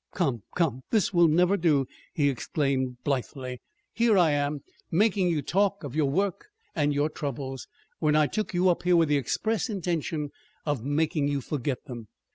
"Come, come, this will never do!" he exclaimed blithely. "Here I am making you talk of your work and your troubles, when I took you up here with the express intention of making you forget them.